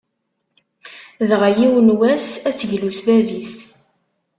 Dɣa, yiwen n wass ad teglu s bab-is.